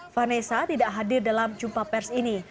vanessa tidak hadir dalam jumpa pers ini